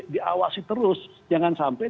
diawasi terus jangan sampai